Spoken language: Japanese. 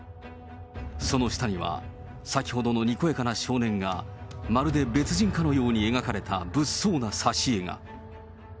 その下には先ほどのにこやかな少年が、まるで別人かのように描かれた物騒な挿絵が。